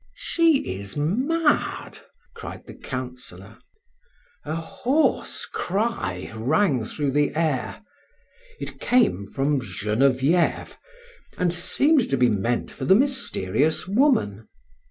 "She is mad!" cried the Councillor. A hoarse cry rang through the air; it came from Genevieve, and seemed to be meant for the mysterious woman.